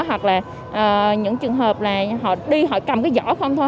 hoặc là những trường hợp là họ đi họ cầm cái giỏ không thôi